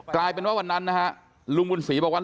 กลายเป็นว่าวันนั้นนะฮะลุงบุญศรีบอกว่า